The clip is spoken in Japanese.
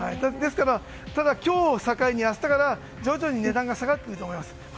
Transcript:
ただ、今日を境に明日から徐々に値段が下がっていくと思います。